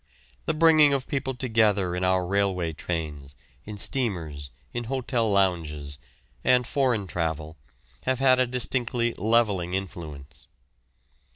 The bringing of people together in our railway trains, in steamers, in hotel lounges, and foreign travel, have had a distinctly levelling influence.